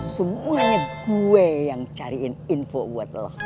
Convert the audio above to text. semuanya gue yang cariin info buat lo